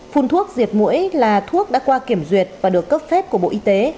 phun thuốc diệt mũi là thuốc đã qua kiểm duyệt và được cấp phép của bộ y tế